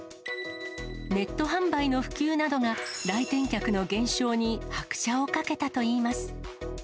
ネット販売の普及などが、来店客の減少に拍車をかけたといいます。